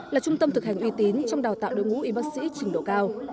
là trung tâm thực hành uy tín trong đào tạo đội ngũ y bác sĩ trình độ cao